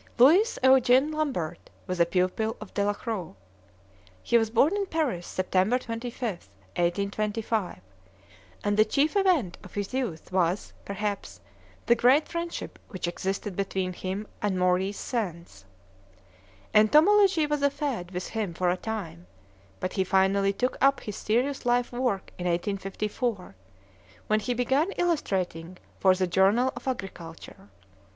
Louis Eugene Lambert was a pupil of Delacroix. He was born in Paris, September 25, 1825, and the chief event of his youth was, perhaps, the great friendship which existed between him and Maurice Sands. Entomology was a fad with him for a time, but he finally took up his serious life work in 1854, when he began illustrating for the Journal of Agriculture.